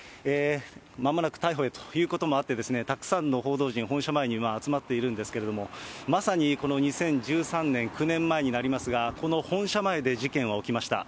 まもなく逮捕へということもあって、たくさんの報道陣、本社前に今、集まっているんですけれども、まさにこの２０１３年、９年前になりますが、この本社前で事件は起きました。